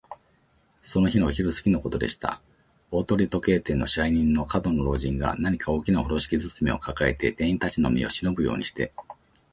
その日のお昼すぎのことでした。大鳥時計店の支配人の門野老人が、何か大きなふろしき包みをかかえて、店員たちの目をしのぶようにして、